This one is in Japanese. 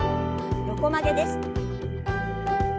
横曲げです。